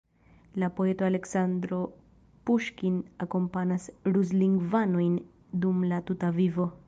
La poeto Aleksandro Puŝkin akompanas ruslingvanojn dum la tuta vivo.